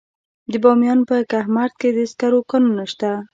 د بامیان په کهمرد کې د سکرو کانونه دي.